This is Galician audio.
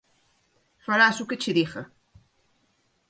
Farás o que che diga.